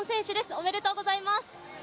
おめでとうございます。